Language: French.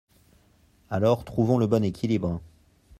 Alors trouvons le bon équilibre.